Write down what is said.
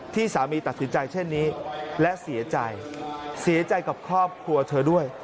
ที่สามีตัดสินใจเช่นนี้และเสียใจเสียใจกับครอบครัวเธอด้วย